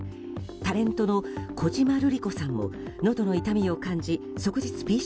タレントの小島瑠璃子さんものどの痛みを感じ即日